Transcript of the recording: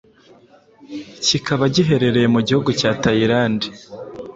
kikaba giherereye mu gihugu cya Thailand